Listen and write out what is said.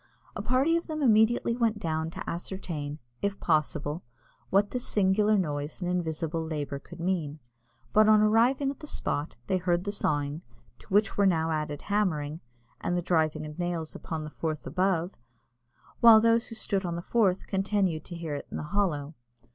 A party of them immediately went down to ascertain, if possible, what this singular noise and invisible labour could mean; but on arriving at the spot, they heard the sawing, to which were now added hammering, and the driving of nails upon the Forth above, whilst those who stood on the Forth continued to hear it in the hollow.